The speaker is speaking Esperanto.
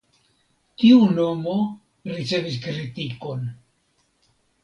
Tiu nomo ricevis kritikon.